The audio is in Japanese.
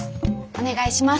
お願いします。